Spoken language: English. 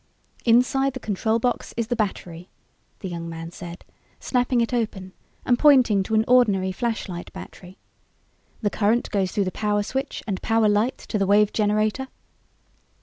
"Inside the control box is the battery," the young man said, snapping it open and pointing to an ordinary flashlight battery. "The current goes through the Power Switch and Power Light to the Wave Generator